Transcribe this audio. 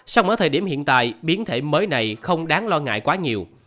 song ở thời điểm hiện tại biến thể mới này không đáng lo ngại quá nhiều